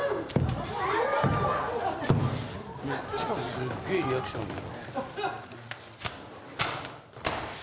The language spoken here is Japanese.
すっげぇリアクションいい。